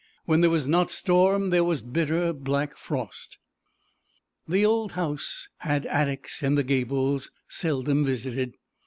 When there was not storm there was bitter black frost. The old house had attics in the gables, seldom visited.